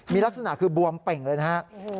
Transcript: มีลักษณะคือบวมเป่งเลยนะครับ